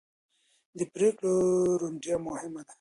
د پرېکړو روڼتیا مهمه ده